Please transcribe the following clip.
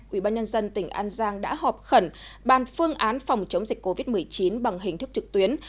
ubnd tỉnh an giang đã họp khẩn bàn phương án phòng chống dịch covid một mươi chín bằng hình thức trực tuyến